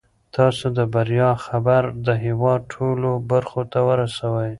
تاسو د بریا خبر د هیواد ټولو برخو ته ورسوئ.